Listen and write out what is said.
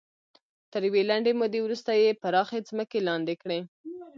تر یوې لنډې مودې وروسته یې پراخې ځمکې لاندې کړې.